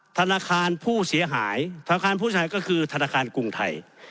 ธนาคารผู้เสียหายธนาคารผู้ชายก็คือธนาคารกรุงไทย